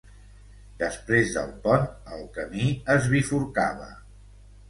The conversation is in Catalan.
Després del pont el camí es bifurcava.